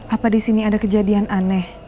apa di sini ada kejadian aneh